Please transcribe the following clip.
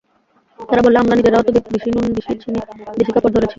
তারা বললে, আমরা নিজেরাও তো দিশি নুন দিশি চিনি দিশি কাপড় ধরেছি।